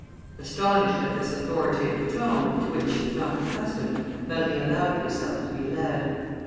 Astonished at this authoritative tone, to which she was not accustomed, Marie allowed herself to be led.